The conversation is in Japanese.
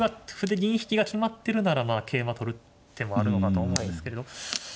歩で銀引きが決まってるなら桂馬取る手もあるのかと思うんですけれど。